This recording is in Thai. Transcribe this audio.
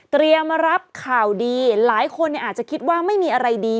มารับข่าวดีหลายคนอาจจะคิดว่าไม่มีอะไรดี